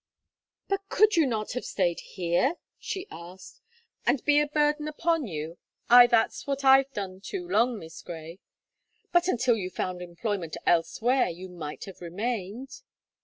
"But could you not have stayed here?" she asked. "And be a burden upon you I that's what I have done too long, Miss Gray." "But until you found employment elsewhere, you might have remained."